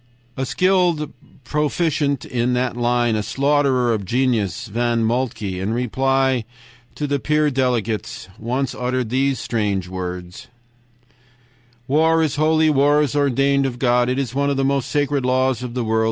"A skilled proficient in that line, a slaughterer of genius, Von Moltke, in reply to the peace delegates, once uttered these strange words: "'War is holy, war is ordained of God. It is one of the most sacred laws of the world.